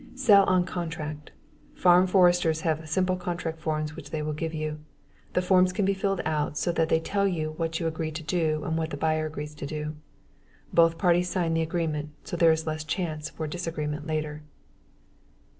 Sell on contract. Farm foresters have simple contract forms which they will give you. The forms can be filled out so that they tell what you agree to do and what the buyer agrees to do. Both parties sign the agreement, so there is less chance for disagreement later.